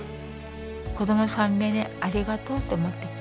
子供３名にありがとうって思ってる。